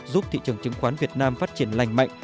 giúp thị trường chứng khoán việt nam phát triển lành mạnh